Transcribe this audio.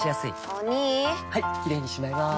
お兄はいキレイにしまいます！